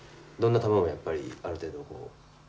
どんな球がやっぱりある程度こう。